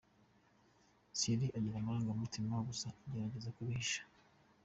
Thierry agira amarangamutima gusa agerageza kubihisha.